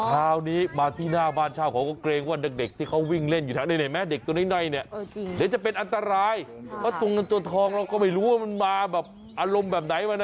ไม่ทำร้ายอ่ะไม่ต้องใช้มันจะได้สงบแบบนี้